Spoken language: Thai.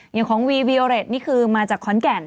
อย่างของวีวิโอเรตนี่คือมาจากขอนแก่น